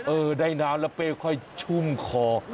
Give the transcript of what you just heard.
เออได้น้ำแล้วเป้ค่อยชุ่มคอ